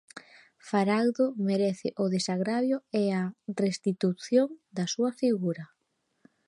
Faraldo merece o desagravio e a restitución da súa figura.